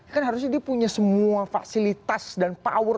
kan harusnya dia punya semua fasilitas dan power